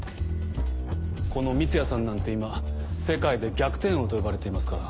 この三ツ矢さんなんて今世界で逆転王と呼ばれていますから。